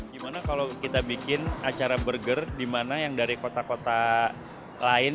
gimana kalau kita bikin acara burger dimana yang dari kota kota lain